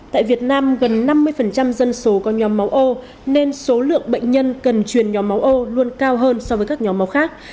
tại việt nam gần năm mươi dân số có nhóm máu ô nên số lượng bệnh nhân cần truyền nhóm máu ô luôn cao hơn so với các nhóm máu khác